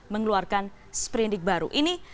mengeluarkan sprendik baru